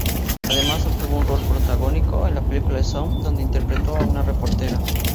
Además, obtuvo un rol protagónico en la película "Some", donde interpretó a una reportera.